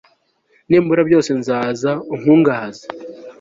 nimbura byose, nzaza unkungahaze